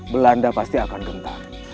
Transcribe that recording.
belanda pasti akan gentar